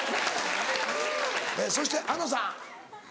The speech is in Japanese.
そしてあのさん。